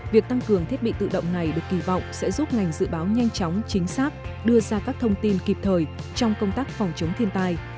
việc tăng cường thiết bị tự động này được kỳ vọng sẽ giúp ngành dự báo nhanh chóng chính xác đưa ra các thông tin kịp thời trong công tác phòng chống thiên tai